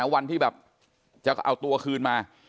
วันที่แบบจะเอาตัวคืนมา